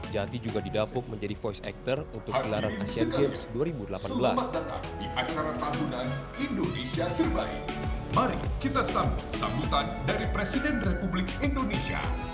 jati juga didapuk menjadi voice actor untuk gelaran asian games dua ribu delapan belas